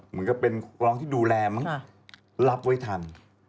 มันก็เป็นคนที่ดูแลมั้งรับไว้ทัน